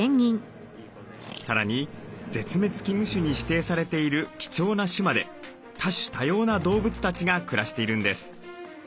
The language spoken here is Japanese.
さらに絶滅危惧種に指定されている貴重な種まで多種多様な動物たちが暮らしているんです。